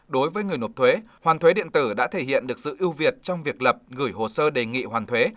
đối với người nộp thuế hoàn thuế điện tử đã thể hiện được sự ưu việt trong việc lập gửi hồ sơ đề nghị hoàn thuế